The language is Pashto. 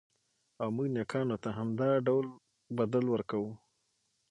او موږ نېکانو ته همدا ډول بدل ورکوو.